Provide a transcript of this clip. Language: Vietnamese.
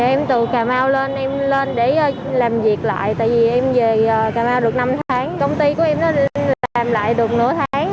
em từ cà mau lên em lên để làm việc lại tại vì em về cà mau được năm tháng công ty của em nó làm lại được nửa tháng